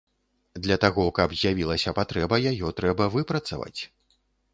Для таго, каб з'явілася патрэба, яе трэба выпрацаваць.